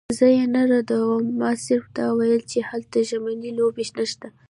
زه یې نه ردوم، ما صرف دا ویل چې هلته ژمنۍ لوبې نشته.